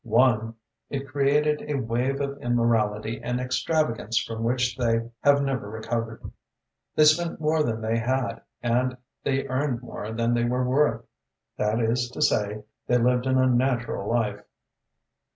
Won, it created a wave of immorality and extravagance from which they had never recovered. They spent more than they had and they earned more than they were worth. That is to say, they lived an unnatural life."